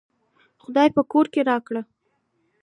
خداى په کور کې راکړه